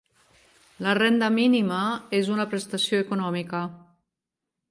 La renda mínima és una prestació econòmica